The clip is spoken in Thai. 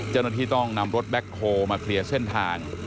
เจ้าหน้าที่ต้องนำรถแบ็คโฮลมาเคลียร์เส้นทาง